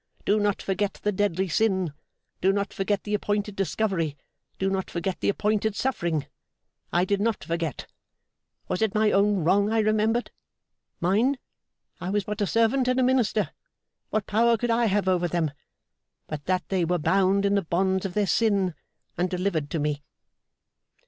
Do not forget the deadly sin, do not forget the appointed discovery, do not forget the appointed suffering. I did not forget. Was it my own wrong I remembered? Mine! I was but a servant and a minister. What power could I have over them, but that they were bound in the bonds of their sin, and delivered to me!